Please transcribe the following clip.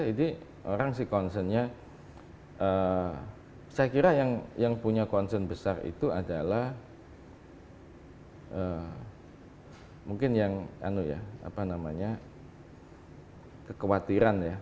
jadi orang sih concernnya saya kira yang punya concern besar itu adalah mungkin yang kekhawatiran ya